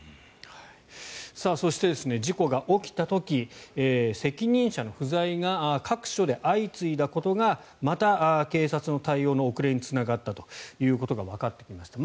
そして、事故が起きた時責任者の不在が各所で相次いだことがまた、警察の対応の遅れにつながったということがわかってきました。